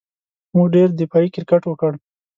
موږ ډېر دفاعي کرېکټ وکړ.